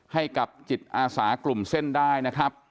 ให้กับจิตอาสากลุ่มเส้นได้นะครับ